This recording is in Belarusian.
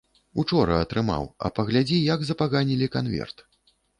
Учора атрымаў, а паглядзі, як запаганілі канверт.